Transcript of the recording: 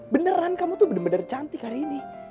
beneran kamu tuh bener bener cantik hari ini